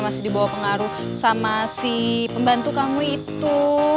masih dibawa pengaruh sama si pembantu kamu itu